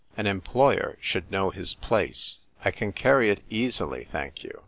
An employer should know his place. " I can carry it easily, thank you."